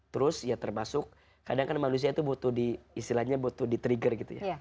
terus ya termasuk kadangkan manusia itu butuh di trigger